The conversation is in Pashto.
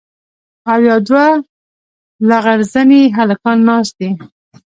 او يو دوه لغړ زني هلکان ناست دي.